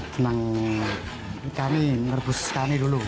jenang kami terbus kani dulu